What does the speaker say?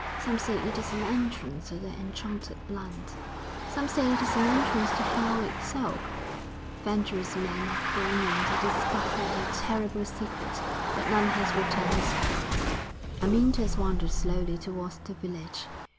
Some say it is an entrance to the enchanted land; some say it is an entrance to hell itself.... Venturous men have gone in to discover the terrible secret, but none has returned to tell it.' Amyntas wandered slowly towards the village.